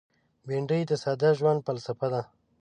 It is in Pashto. بېنډۍ د ساده ژوند فلسفه ده